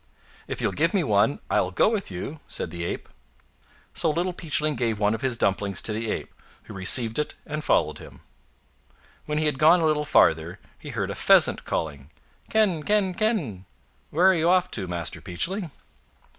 "If you'll give me one, I will go with you," said the Ape. So Little Peachhing gave one of his dumplings to the Ape, who received it and followed him. When he had gone a little farther, he heard a Pheasant calling— "Ken! ken! ken! where are you off to, Master Peachling?"